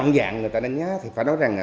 người ta nhận dạng